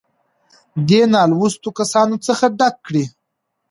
دې نـالـوسـتو کسـانـو څـخـه ډک کـړي.